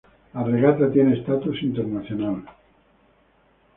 La regata tiene estatus internacional.